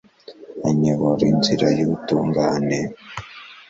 anyobora inzira y'ubutungane